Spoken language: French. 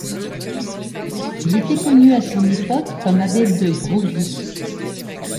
Il était connu à son époque comme Abbé de Broglie.